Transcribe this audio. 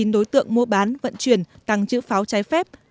một trăm bảy mươi chín đối tượng mua bán vận chuyển tăng trực pháo trái phép